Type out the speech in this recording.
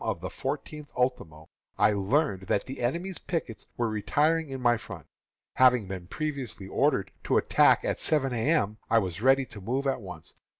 of the fourteenth ultimo, I learned that the enemy's pickets were retiring in my front. Having been previously ordered to attack at seven A. M., I was ready to move at once.